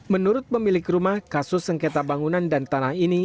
menurut pemilik rumah kasus sengketa bangunan dan tanah ini